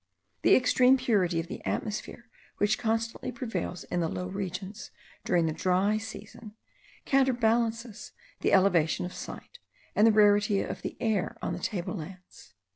The extreme purity of the atmosphere which constantly prevails in the low regions during the dry season, counterbalances the elevation of site and the rarity of the air on the table lands.